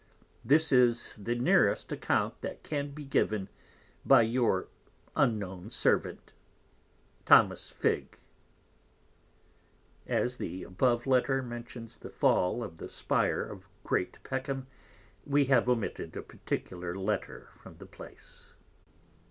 This is the nearest account that can be given, by your unknown Servant, Tho. Figg. As the above Letter mentions the fall of the Spire of Great Peckham, _we have omitted a particular Letter from the place.